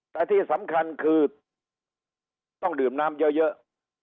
แต่ที่สำคัญคือต้องดื่มน้ำเยอะ